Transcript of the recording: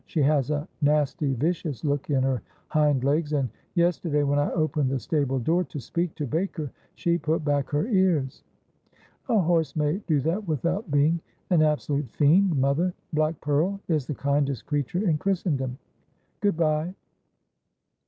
She has a nasty vicious look in her hind legs; and yesterday, when I opened the stable door to speak to Baker, she put back her ears.' 'A horse may do that without being an absolute fiend, mother. Black Pearl is the kindest creature in Christendom. Good bye.'